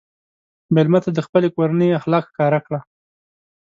مېلمه ته د خپلې کورنۍ اخلاق ښکاره کړه.